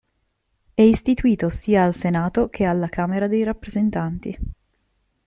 È istituito sia al Senato che alla Camera dei rappresentanti.